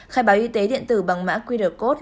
khai báo y tế điện tử bằng mã qr code